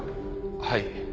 はい。